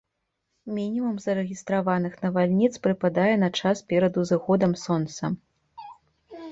Мінімум зарэгістраваных навальніц прыпадае на час перад узыходам сонца.